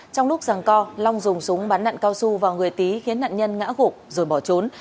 trong lúc giằng co long dùng súng bắn nặn cao su vào người tý khiến nặn nhân ngã gục rồi bỏ trốn